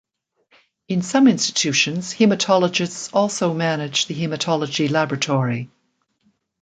In some institutions, hematologists also manage the hematology laboratory.